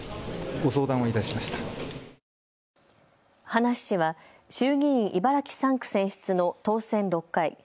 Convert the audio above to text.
葉梨氏は衆議院茨城３区選出の当選６回。